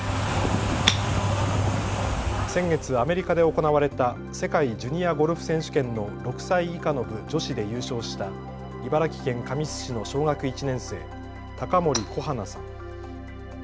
先月、アメリカで行われた世界ジュニアゴルフ選手権の６歳以下の部女子で優勝した茨城間神栖市の小学１年生、高森心花さん。